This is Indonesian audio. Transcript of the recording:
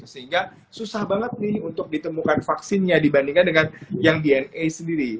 sehingga susah banget nih untuk ditemukan vaksinnya dibandingkan dengan yang dna sendiri